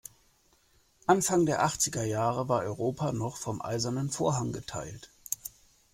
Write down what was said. Anfang der achtziger Jahre war Europa noch vom eisernen Vorhang geteilt.